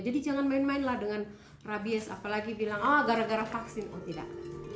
jangan main mainlah dengan rabies apalagi bilang oh gara gara vaksin oh tidak